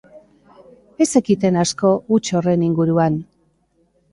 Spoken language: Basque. Ez zekiten asko huts horren inguruan.